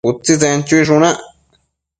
Utsitsen chuishunac